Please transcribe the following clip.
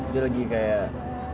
dia lagi kayak